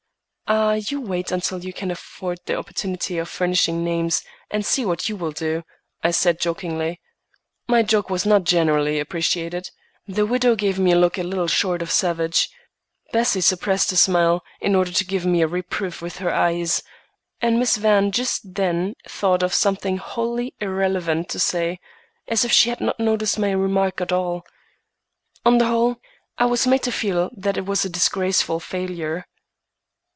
"Ah! you wait until you can afford the opportunity of furnishing names, and see what you will do," I said jokingly. My joke was not generally appreciated. The widow gave me a look a little short of savage. Bessie suppressed a smile, in order to give me a reproof with her eyes, and Miss Van just then thought of something wholly irrelevant to say, as if she had not noticed my remark at all. On the whole, I was made to feel that it was a disgraceful failure.